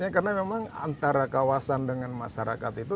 karena memang antara kawasan dengan masyarakat itu